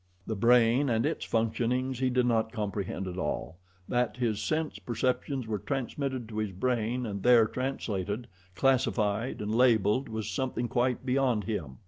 The brain and its functionings he did not comprehend at all. That his sense perceptions were transmitted to his brain and there translated, classified, and labeled was something quite beyond him.